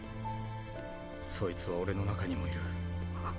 そいつは俺の中にもいる。